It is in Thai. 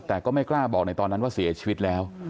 แต่ก็ไม่กล้าบอกในตอนนั้นว่าเสียชีวิตแล้ว